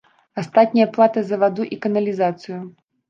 Астатняе плата за ваду і каналізацыю.